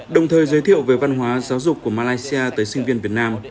đồng thời giới thiệu về văn hóa giáo dục của malaysia tới sinh viên việt nam